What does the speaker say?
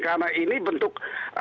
karena ini bentuk